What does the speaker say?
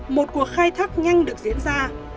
một cuộc khai thác nhanh được diễn ra